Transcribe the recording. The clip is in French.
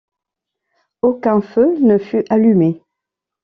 Aucun feu ne fut allumé.